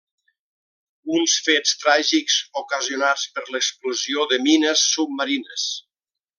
Uns fets tràgics ocasionats per l’explosió de mines submarines.